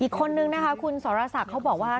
อีกคนนึงคุณส่อรศกี๊เขาบอกว่า